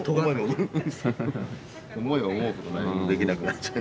思えば思うほど何もできなくなっちゃう。